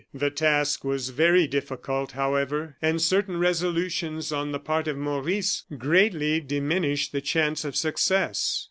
The task was very difficult, however, and certain resolutions on the part of Maurice greatly diminished the chance of success.